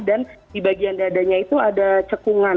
dan di bagian dadanya itu ada cekungan